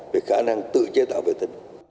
về khả năng tự chế tạo vệ tinh